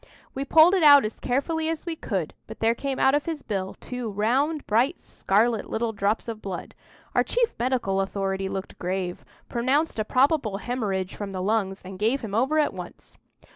We pulled it out as carefully as we could, but there came out of his bill two round, bright scarlet, little drops of blood. Our chief medical authority looked grave, pronounced a probable hemorrhage from the lungs, and gave him over at once.